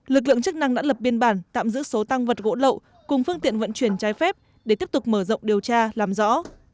lực lượng chức năng đã lập biên bản tạm giữ số tăng vật gỗ lậu cùng phương tiện vận chuyển trái phép để tiếp tục mở rộng điều tra làm rõ